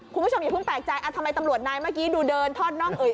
คุณผู้ชมอย่าเพิ่งแปลกใจทำไมตำรวจนายเมื่อกี้ดูเดินทอดน่องเอ่ย